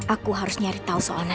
aku harus nyari tahu soalnya